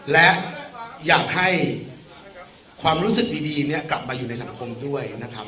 และอยากให้ความรู้สึกดีกลับมาอยู่ในสังคมด้วยนะครับ